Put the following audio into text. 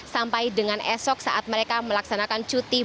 sampai dengan esok saat mereka melaksanakan cuti